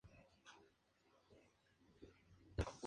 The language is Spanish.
Entre otras cosas.